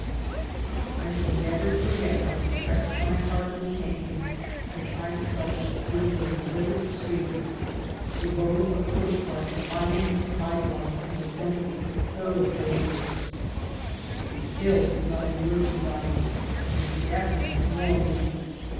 I shall never forget how depressed my heart became as I trudged through those littered streets, with the rows of pushcarts lining the sidewalks and the centers 66 FIRST IMPRESSIONS of the thoroughfares, the ill smelling merehandise, and the deafening noise.